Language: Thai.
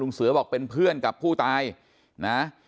เสือบอกเป็นเพื่อนกับผู้ตายนะ